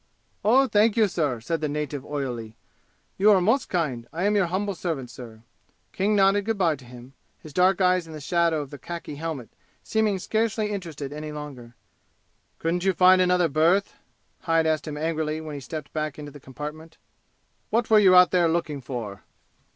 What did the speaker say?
"Oh, thank you, sir!" said the native oilily. "You are most kind! I am your humble servant, sir!" King nodded good by to him, his dark eyes in the shadow of the khaki helmet seeming scarcely interested any longer. "Couldn't you find another berth?" Hyde asked him angrily when he stepped back into the compartment. "What were you out there looking for?"